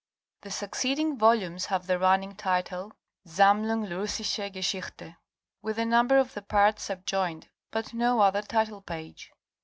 The succeeding volumes have the running title ''Sammlung Russische Geschichte" with the number of the parts subjoined but no other title page.